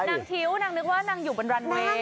นางทิ้วนางนึกว่านางอยู่บนรันเวย์